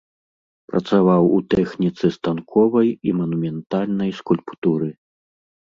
Працаваў у тэхніцы станковай і манументальнай скульптуры.